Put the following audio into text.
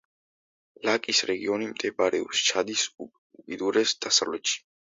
ლაკის რეგიონი მდებარეობს ჩადის უკიდურეს დასავლეთში.